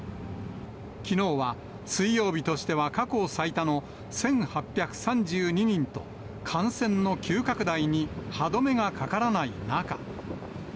きのうは水曜日としては過去最多の１８３２人と、感染の急拡大に歯止めがかからない中。